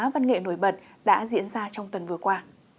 văn nghệ nổi bật đã diễn ra trong tuần vừa qua